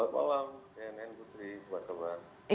bnn putri buat kembali